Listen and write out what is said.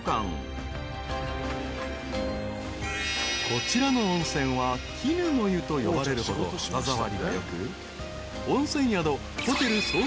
［こちらの温泉は絹の湯と呼ばれるほど肌触りがよく］